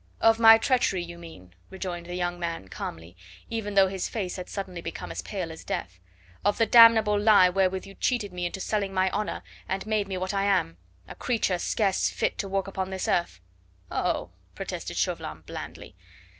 "Of my treachery, you mean," rejoined the young man calmly, even though his face had suddenly become pale as death. "Of the damnable lie wherewith you cheated me into selling my honour, and made me what I am a creature scarce fit to walk upon this earth." "Oh!" protested Chauvelin blandly.